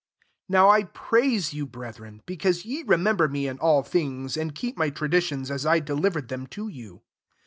2 NOW I praise you, breth ren, because ye remember me in all things, and keep my tra ditions as I delivered them to you.